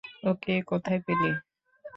ওকে কোথায় পেলি?